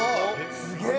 すげえ！